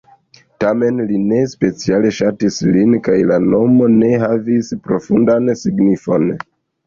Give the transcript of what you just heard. Tamen, li ne speciale ŝatis lin kaj la nomo ne havis profundan signifon.